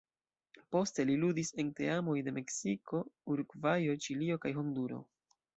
Poste li ludis en teamoj de Meksiko, Urugvajo, Ĉilio kaj Honduro.